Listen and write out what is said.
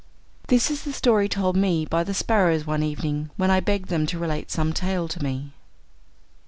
This is the story told me by the sparrows one evening when I begged them to relate some tale to me.